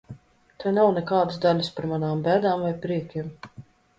Tai nav nekādas daļas par manām bēdām vai priekiem.